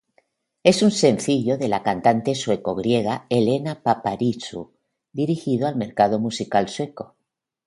Es un sencillo de la cantante sueco-griega Helena Paparizou dirigido al mercado musical sueco.